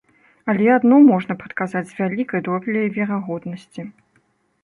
Але адно можна прадказаць з вялікай доляй верагоднасці.